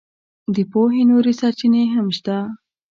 د پوهې نورې سرچینې هم شته.